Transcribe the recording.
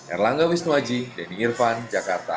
erlangga wisnuaji denny irvan jakarta